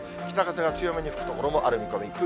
北風が強めに吹く所もある見込み。